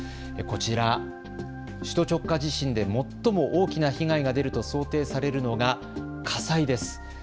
こちら、首都直下地震で最も大きな被害が出ると想定されるのが火災です。